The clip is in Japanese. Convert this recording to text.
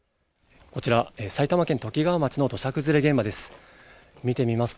こちら、埼玉県ときがわ町の土砂崩れ現場です。